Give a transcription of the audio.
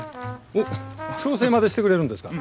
おっ調整までしてくれるんですか。